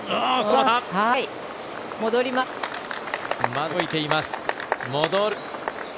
まだ動いています。